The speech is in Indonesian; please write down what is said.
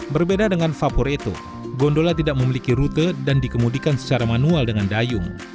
berbeda dengan vaporeto gondola tidak memiliki rute dan dikemudikan secara manual dengan dayung